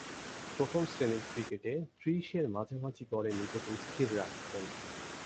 প্রথম-শ্রেণীর ক্রিকেটে ত্রিশের মাঝামাঝি গড়ে নিজেকে স্থির রাখতেন।